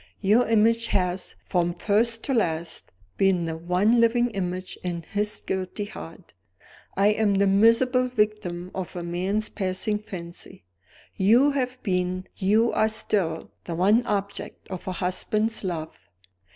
Your image has, from first to last, been the one living image in his guilty heart. I am the miserable victim of a man's passing fancy. You have been, you are still, the one object of a husband's love.